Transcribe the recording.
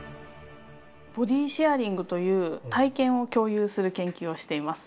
ボディシェアリングという体験を共有する研究をしています。